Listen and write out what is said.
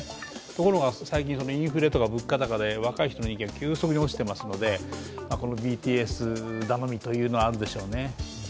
ところが最近物価高で若い人の支持が急速に落ちていますのでＢＴＳ頼みというのはあるのでしょうね。